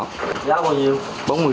giá bao nhiêu